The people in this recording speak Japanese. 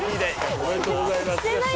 おめでとうございます。